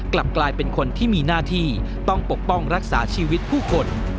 กลับกลายเป็นคนที่มีหน้าที่ต้องปกป้องรักษาชีวิตผู้คน